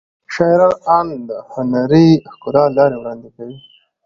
شاعران اند د هنري ښکلا له لارې وړاندې کوي.